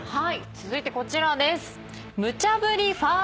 続いてこちらです。